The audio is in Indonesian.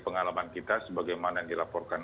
pengalaman kita sebagaimana dilaporkan